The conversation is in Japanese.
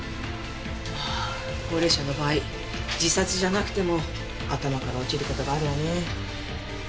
まあ高齢者の場合自殺じゃなくても頭から落ちる事があるわね。